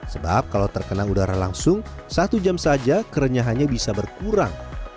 sebab kalau terkena udara langsung satu jam saja kerenyahannya bisa berkurang